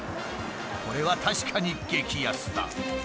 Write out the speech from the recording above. これは確かに激安だ。